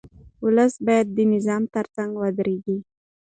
ولس باید د نظام ترڅنګ ودرېږي.